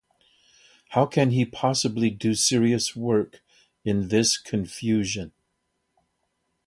How can he possibly do serious work in this confusion?